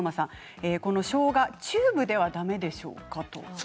しょうがチューブではだめですかと。